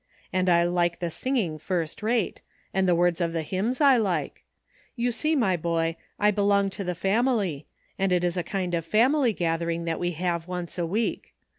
And I like the singing first rate, and the words of the hymns I like. You see, my boy, I be long to the family ; and it is a kind of family gathering that we have once a week.